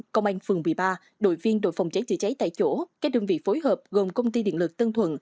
công an phường một mươi ba đội viên đội phòng cháy chữa cháy tại chỗ các đơn vị phối hợp gồm công ty điện lực tân thuận